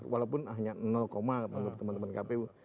walaupun hanya menurut teman teman kpu